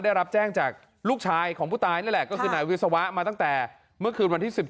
ได้รับแจ้งจากลูกชายของผู้ตายนั่นแหละก็คือนายวิศวะมาตั้งแต่เมื่อคืนวันที่๑๔